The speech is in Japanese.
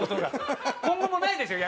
今後もないですよ